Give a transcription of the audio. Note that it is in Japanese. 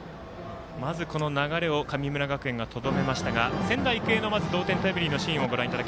まず、この流れを神村学園がとどめましたが仙台育英の同点タイムリーのシーンです。